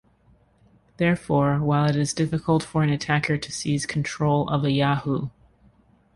Therefore, while it is difficult for an attacker to seize control of a Yahoo!